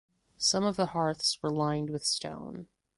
Some of the hearths were lined with stone.